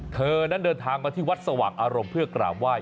เธอนั้นเดินทางมาที่วัดสว่างอารมณ์เพื่อกราบไหว้